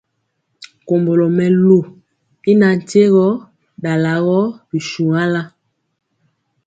Kombolo mɛlu y ŋatyegɔ dalagɔ bishuaŋa.